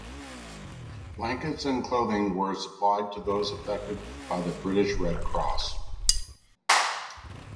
Blankets and clothings were supplied to those affected by the British Red Cross.